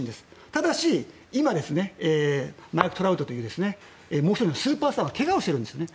ただし今、マイク・トラウトというもう１人のスーパースターがけがをしてるんですよね。